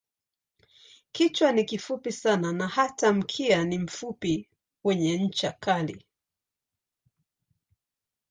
Kichwa ni kifupi sana na hata mkia ni mfupi wenye ncha kali.